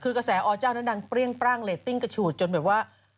คือกระแสอเจ้านั้นดังเปรี้ยงปร่างเรตติ้งกระฉูดจนแบบว่า